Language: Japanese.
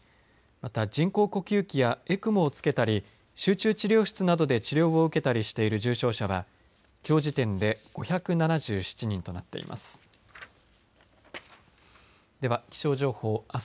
また人工呼吸器やＥＣＭＯをつけたり集中治療室などで治療を受けたりしている重症者はきょう時点で５７７人となっています。